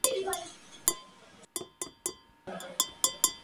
Su casa se hizo el centro de la vida literaria de Moscú.